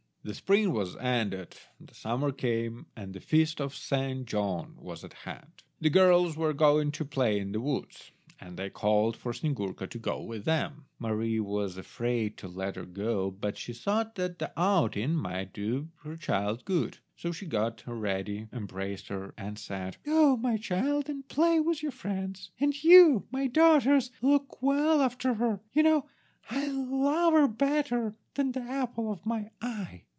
The spring was ended, the summer came, and the feast of Saint John was at hand. The girls were going to play in the woods, and they called for Snyegurka to go with them. Mary was afraid to let her go, but she thought that the outing might do her child good, so she got her ready, embraced her, and said— "Go, my child, and play with your friends; and you, my daughters, look well after her. You know I love her better than the apple of my eye."